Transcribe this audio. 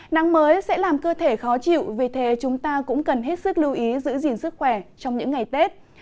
nắng mới sẽ làm cơ thể khó chịu vì thế chúng ta cũng cần hết sức lưu ý giữ gìn sức khỏe trong những ngày tết